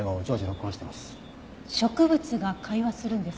植物が会話するんですか？